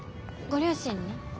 ご両親に？